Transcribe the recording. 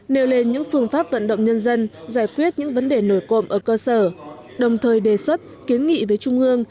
nêu lên những phương pháp vận động nhân dân giải quyết những vấn đề nổi cộm ở cơ sở đồng thời đề xuất kiến nghị với trung ương